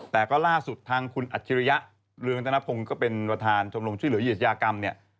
แต่ก็ล่าสุดทางคุณอัจฉริยะเรืองตนพงศ์ก็เป็นวัฒนาชมช่วยเหลืออิสยากรรม